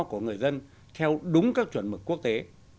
của người dân theo đúng các chuẩn mực quốc tế